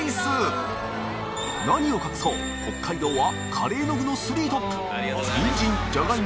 何を隠そう北海道はカレーの具の３トップ！